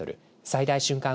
最大瞬間